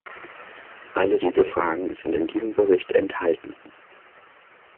Alle diese Fragen sind in diesem Bericht enthalten.